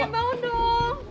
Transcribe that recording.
kim bangun dong